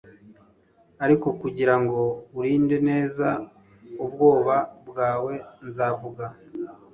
Ariko kugirango urinde neza ubwoba bwawe nzavuga